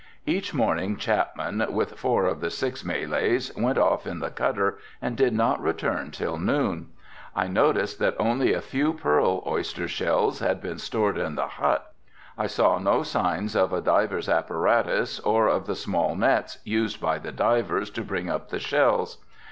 Each morning Chapman, with four of the six Malays, went off in the cutter and did not return till noon. I noticed that only a few pearl oyster shells had been stored in the hut. I saw no signs of a diver's apparatus or of the small nets used by the divers to bring up the shells.